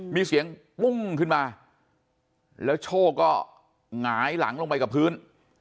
มีเสียงปุ้งขึ้นมาแล้วโชคก็หงายหลังลงไปกับพื้น